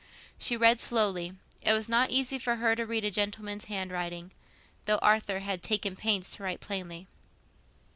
She read slowly; it was not easy for her to read a gentleman's handwriting, though Arthur had taken pains to write plainly.